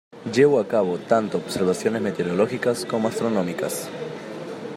Llevó a cabo tanto observaciones meteorológicas como astronómicas.